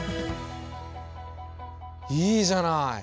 いいじゃない！